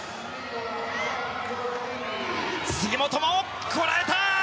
杉本も、こらえた！